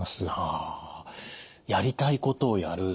ああやりたいことをやる。